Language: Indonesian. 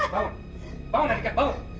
bangun bangun rika bangun